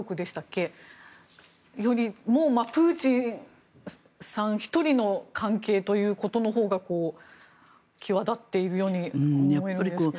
それよりもプーチンさん１人の関係ということのほうが際立っているように思いますけど。